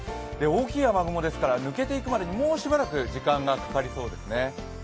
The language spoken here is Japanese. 大きい雨雲ですから抜けていくまでもうしばらく時間がかかりそうですね。